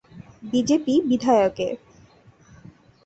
BJP বিধায়ক এ।